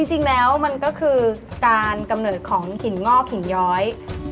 จริงแล้วมันก็คือการกำเนิดของหินงอกหินย้อย